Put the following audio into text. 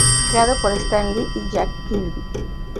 Creado por Stan Lee y Jack Kirby.